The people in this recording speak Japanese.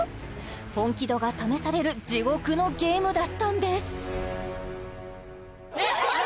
本気度が試される地獄のゲームだったんです何これ？